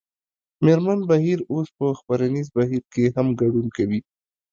مېرمن بهیر اوس په خپرنیز بهیر کې هم ګډون کوي